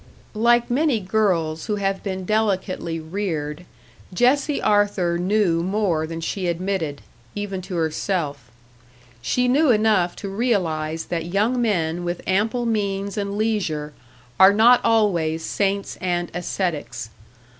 Like many girls who have been delicately reared, Jessie Arthur knew more than she admitted, even to herself. She knew enough to realise that young men with ample means and leisure are not always saints and ascetics.